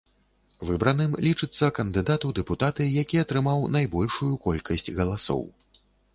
Выбраным лічыцца кандыдат у дэпутаты, які атрымаў найбольшую колькасць галасоў.